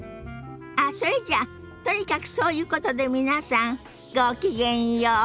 あっそれじゃとにかくそういうことで皆さんごきげんよう。